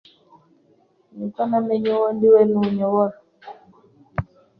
nibwo namenye uwo ndi we nunyobora,